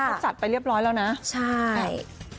เขาจัดไปเรียบร้อยแล้วนะใช่